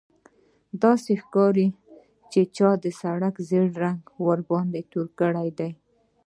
چې داسې ښکاري چا د سړک ژیړ رنګ ورباندې توی کړی دی